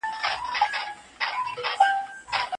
استازي به د بشري قاچاق پر وړاندي سخته جزا وټاکي.